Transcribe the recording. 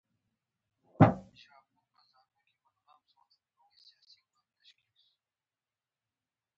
شاعران واقعیت بشپړوي.